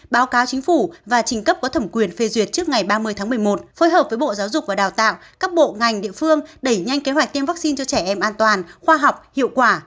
báo cáo chính phủ và trình cấp có thẩm quyền phê duyệt trước ngày ba mươi tháng một mươi một phối hợp với bộ giáo dục và đào tạo các bộ ngành địa phương đẩy nhanh kế hoạch tiêm vaccine cho trẻ em an toàn khoa học hiệu quả